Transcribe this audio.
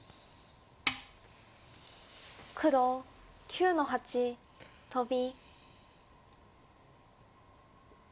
黒９の八トビ。